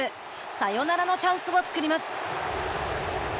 サヨナラのチャンスを作ります。